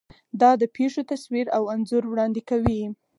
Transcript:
دا د پېښو تصویر او انځور وړاندې کوي.